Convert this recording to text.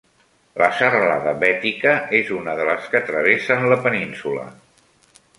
La serralada Bètica és una de les que travessen la península.